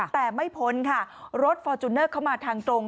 แต่ไม่พ้นค่ะรถฟอร์จูเนอร์เข้ามาทางตรง